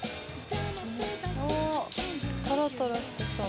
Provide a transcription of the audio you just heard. トロトロしてそう。